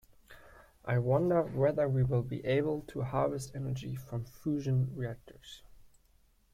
I wonder whether we will be able to harvest energy from fusion reactors.